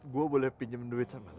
gua boleh pinjem duit sama lu